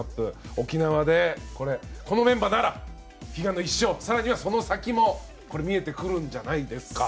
沖縄でこのメンバーなら悲願の１勝更にはその先も見えてくるんじゃないですか？